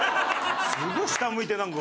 すごい下向いてなんか。